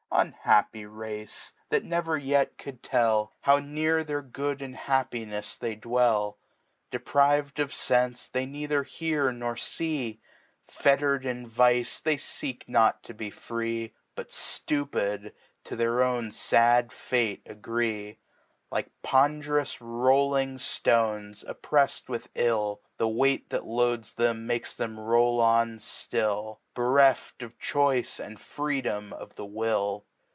Unhappy Race ! that never yet could tell. How near their Good and Happinefs they dwell. Deprived of Senfe, they neither hear nor fee; Fettered in Vice, they feek not to be free. But (hipid, to their own fad Fate agree : Like ponderous Rolling ftones, opprefs*d with 111, The Weight that loads 'em makes 'em roll on ftill. Bereft of Choice and Freedom of the Will.